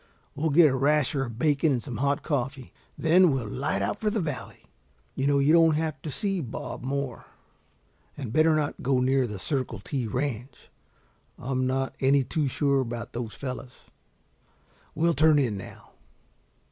We'll get a rasher of bacon and some hot coffee, then we'll light out for the valley. You know you don't have to see Bob Moore. And better not go near the Circle T Ranch. I'm not any too sure about those fellows. We'll turn in now."